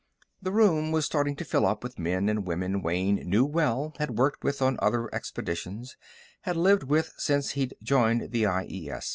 The room was starting to fill up, with men and women Wayne knew well, had worked with on other expeditions, had lived with since he'd joined the IES.